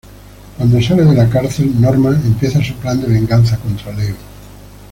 Cuando sale de la cárcel, Norma empieza su plan de venganza contra Leo.